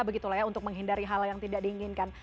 begitulah ya untuk menghindari hal yang tidak diinginkan